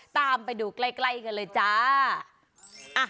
ตามไปดูใกล้กันเลยจ้า